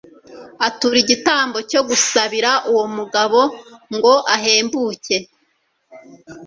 atura igitambo cyo gusabira uwo mugabo ngo ahembuke